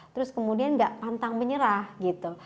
terus kemudian gak pantang menyerah gitu